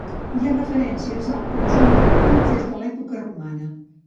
Hi ha referències al consum d'embotits des de l'època romana.